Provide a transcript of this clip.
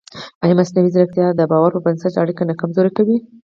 ایا مصنوعي ځیرکتیا د باور پر بنسټ اړیکې نه کمزورې کوي؟